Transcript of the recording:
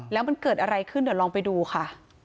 แล้วมันเกิดอะไรขึ้นเดี๋ยวลองไปดูค่ะ